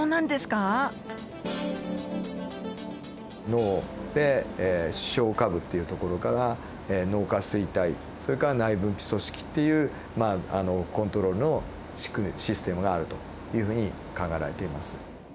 脳で視床下部っていうところから脳下垂体それから内分泌組織っていうコントロールのシステムがあるというふうに考えられています。